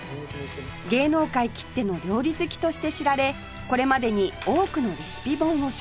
芸能界きっての料理好きとして知られこれまでに多くのレシピ本を出版